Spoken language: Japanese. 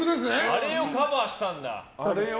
あれをカバーしたんだ。